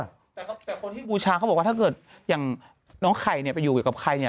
แต่คนที่บูชาเขาบอกว่าถ้าเกิดอย่างน้องไข่เนี่ยไปอยู่กับใครเนี่ย